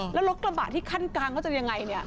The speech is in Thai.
แล้วรถกระบะที่ขั้นกลางเขาจะยังไงเนี่ย